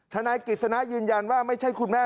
ทนกิเขสนายืนยันว่าไม่ใช่คุณแม่